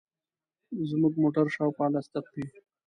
زموږ موټر شاوخوا لس دقیقې.